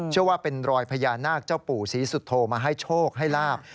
เชื่อว่าเป็นรอยพญานาคเจ้าปู่ศรีสุโธมาให้โชคให้ลาบ